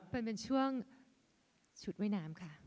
มันเป็นช่วงชุดว่ายน้ำค่ะ